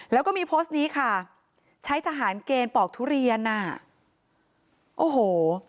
แล้วก็มีโพสต์นี้ค่ะใช้ทหารเกณฑ์ปอกทุเรียนอ่ะโอ้โห